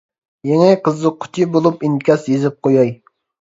يېڭى قىزىققۇچى بولۇپ ئىنكاس يېزىپ قوياي.